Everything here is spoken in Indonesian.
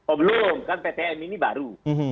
oh belum kan ptm ini baru